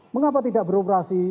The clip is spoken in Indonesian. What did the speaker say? mengapa tidak beroperasi